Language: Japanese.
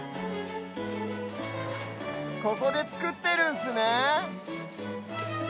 ここでつくってるんすね。